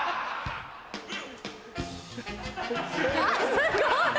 すごい！